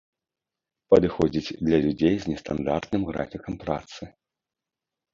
Падыходзіць для людзей з нестандартным графікам працы.